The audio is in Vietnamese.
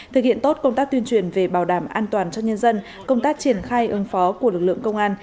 thực hiện tốt công tác tuyên truyền về bảo đảm an toàn cho nhân dân công tác triển khai ứng phó của lực lượng công an